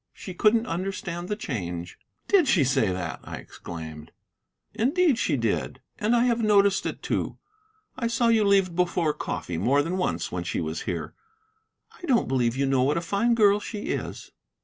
She couldn't understand the change." "Did she say that?" I exclaimed. "Indeed, she did; and I have noticed it, too. I saw you leave before coffee more than once when she was here. I don't believe you know what a fine girl she is."